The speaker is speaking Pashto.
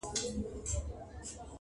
په عزت یې وو دربار ته وربللی٫